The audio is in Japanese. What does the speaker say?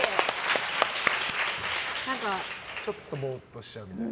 ちょっとボーっとしちゃうみたいな。